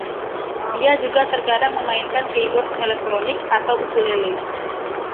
Ia juga terkadang memainkan keyboard elektronik atau ukulele.